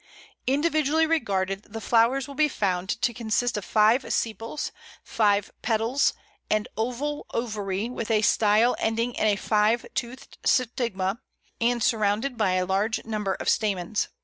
Individually regarded, the flowers will be found to consist of five sepals, five petals, an oval ovary with a style ending in a five toothed stigma, and surrounded by a large number of stamens.